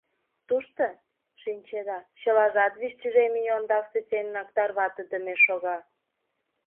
Тушто, шинчеда, чылажат вич тӱжем ий ондаксе семынак тарватыдыме шога.